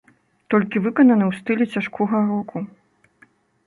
Толькі выкананы ў стылі цяжкога року.